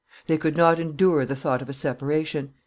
They could not endure the thought of a separation.